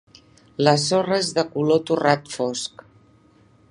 La sorra és de color torrat fosc.